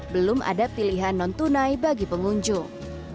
belum ada pilihan non tunai bagi pengunjung